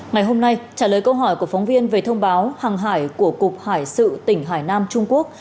ngày hôm nay trả lời câu hỏi của phóng viên về thông báo hàng hải của cục hải sự tỉnh hải nam trung quốc